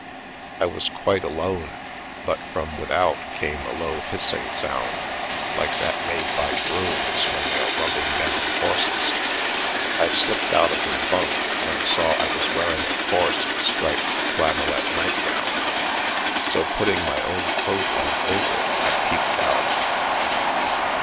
I was quite alone, but from without came a low hissing sound like that made by grooms when they are rubbing down horses. I slipped out of my bunk, and saw I was wearing a coarse striped flannelette nightgown, so, putting my own coat on over it, I peeped out.